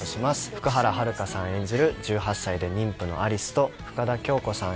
福原遥さん演じる１８歳で妊婦の有栖と深田恭子さん